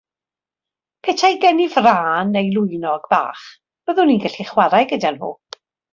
Petai gen i frân neu lwynog bach byddwn i'n gallu chwarae gyda nhw.